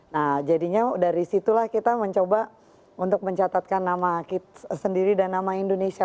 nah jadinya dari situlah kita mencoba untuk mencatatkan nama kita sendiri dan nama indonesia